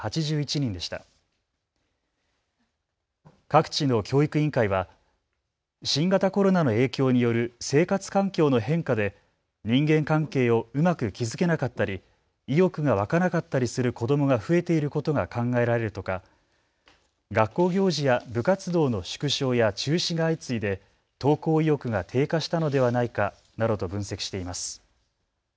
各地の教育委員会は新型コロナの影響による生活環境の変化で人間関係をうまく築けなかったり意欲が湧かなかったりする子どもが増えていることが考えられるとか、学校行事や部活動の縮小や中止が相次いで登校意欲が低下したのではないかなどと分析しています。